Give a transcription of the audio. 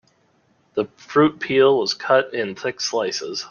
The fruit peel was cut in thick slices.